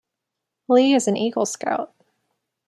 Lee is an Eagle Scout.